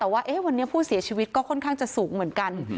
แต่ว่าวันนี้ผู้เสียชีวิตก็ค่อนข้างจะสูงเหมือนกัน